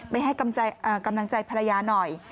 ไปให้กำลังใจภรรยาหน่อย